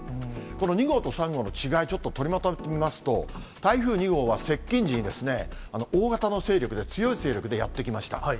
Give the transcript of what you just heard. この２号と３号の違い、ちょっと取りまとめますと、台風２号は接近時にですね、大型の勢力で、強い勢力でやって来ました。